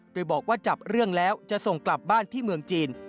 โดยบอกว่าจับเรื่องแล้วจะส่งกลับบ้านที่เมืองจีน